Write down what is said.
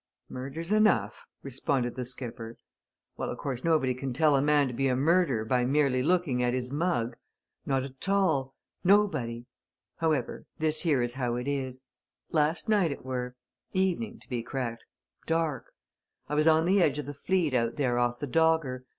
"Murder's enough," responded the skipper. "Well, of course, nobody can tell a man to be a murderer by merely looking at his mug. Not at all! nobody! However, this here is how it is. Last night it were evening, to be c'rect dark. I was on the edge o' the fleet, out there off the Dogger.